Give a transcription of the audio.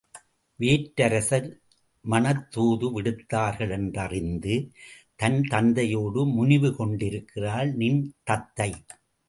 வேற்றரசர் மணத் தூது விடுத்தார்களென்றறிந்து தன் தந்தையோடு முனிவு கொண்டிருக்கிறாள் நின் தத்தை!